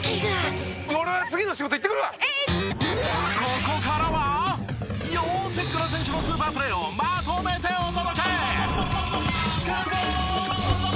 ここからは要チェックな選手のスーパープレーをまとめてお届け！